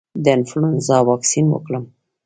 د انفلونزا واکسین وکړم؟